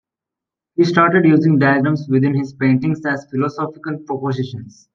He started using diagrams within his paintings as philosophical propositions.